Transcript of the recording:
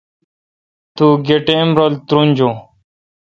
توگہ ٹیم رل ترونجون؟